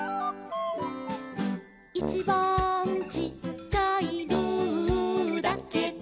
「いちばんちっちゃい」「ルーだけど」